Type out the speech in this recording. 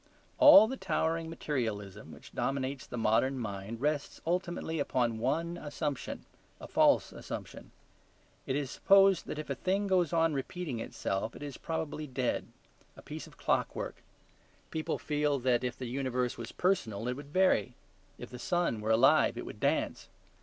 All the towering materialism which dominates the modern mind rests ultimately upon one assumption; a false assumption. It is supposed that if a thing goes on repeating itself it is probably dead; a piece of clockwork. People feel that if the universe was personal it would vary; if the sun were alive it would dance.